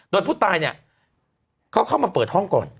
โดยผู้ตายเนี่ยเขาเข้ามาเปิดห้องก่อน